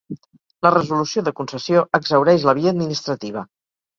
La resolució de concessió exhaureix la via administrativa.